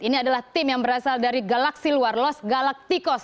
ini adalah tim yang berasal dari galaxy luar los galacticos